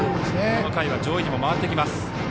この回は上位にも回ってきます。